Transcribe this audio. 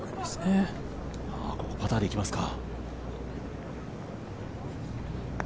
ここ、パターでいきますか。